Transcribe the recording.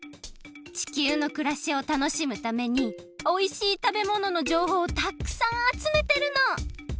地球のくらしを楽しむためにおいしいたべもののじょうほうをたっくさんあつめてるの！